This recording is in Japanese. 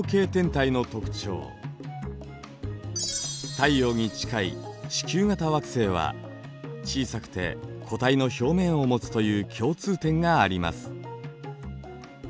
太陽に近い地球型惑星は小さくて固体の表面を持つという共通点があります。